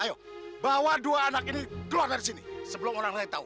ayo bawa dua anak ini keluar dari sini sebelum orang lain tahu